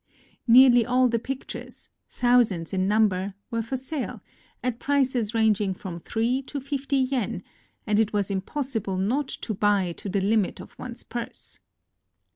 Nearly all the pictures, thou sands in number, were for sale, at prices ranging from three to fifty yen ; and it was impossible not to buy to the limit of one's purse.